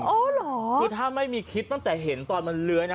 อ๋อเหรอคือถ้าไม่มีคลิปตั้งแต่เห็นตอนมันเลื้อยนะ